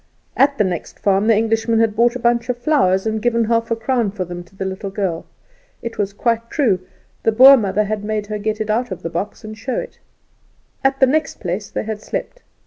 At the next farm the Englishman had bought a bunch of flowers, and given half a crown for them to the little girl. It was quite true; the Boer mother made her get it out of the box and show it. At the next place they had slept.